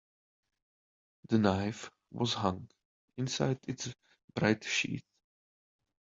The knife was hung inside its bright sheath.